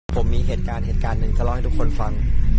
ผมมีเหตุการณ์เหตุการณ์หนึ่งจะเล่าให้ทุกคนฟัง